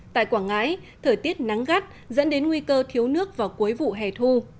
tại quảng ngãi thời tiết nắng gắt dẫn đến nguy cơ thiếu nước vào cuối vụ hè thu